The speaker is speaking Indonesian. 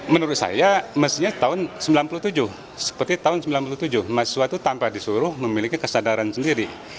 menurut saya tahun seribu sembilan ratus sembilan puluh tujuh mahasiswa itu tanpa disuruh memiliki kesadaran sendiri